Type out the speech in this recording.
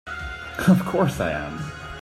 Of course I am!